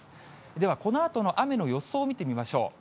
では、このあとの雨の予想を見てみましょう。